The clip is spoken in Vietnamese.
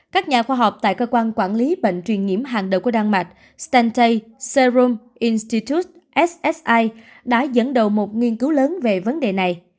các nhà khoa học tại cơ quan quản lý bệnh truyền nhiễm hàng đầu của đan mạch stantay serom institus ssi đã dẫn đầu một nghiên cứu lớn về vấn đề này